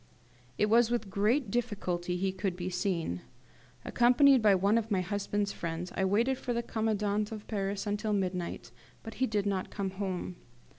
It was with great difficulty he could be seen. Accompanied by one of my husband's friends, I waited for the commandant of Paris until midnight, but he did not come home.